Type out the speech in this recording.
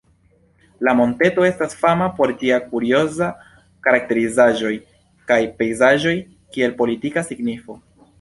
La monteto estas fama por ĝia kurioza karakterizaĵoj kaj pejzaĝoj, kiel politika signifo.